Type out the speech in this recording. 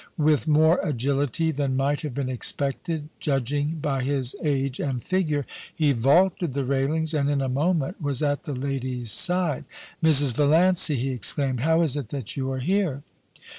With more agility than might have been expected, judging by his age and figure, he vaulted the railings, and in a moment was at the lady's side. * Mrs. Valiancy !' he exclaimed. * How is it that you are here?